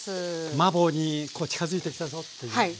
マーボーに近づいてきたぞっていうね。